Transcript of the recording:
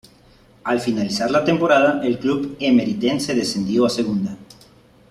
Al finalizar la temporada el club emeritense descendió a Segunda.